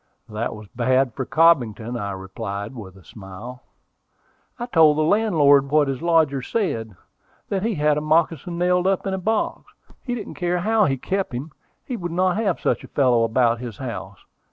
"That was bad for Cobbington," I replied, with a smile. "I told the landlord what his lodger said, that he had the moccasin nailed up in a box. He didn't care how he kept him: he would not have such a fellow about his house.